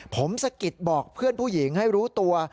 ผมสะกิดบอกเพื่อนผู้หญิงให้รู้ตัว